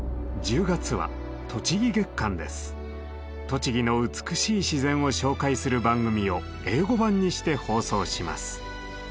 栃木の美しい自然を紹介する番組を英語版にして放送します。